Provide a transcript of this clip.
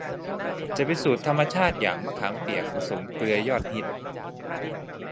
จะเป็นสูตรธรรมชาติอย่างมะขามเปียกผสมเกลือยอดฮิต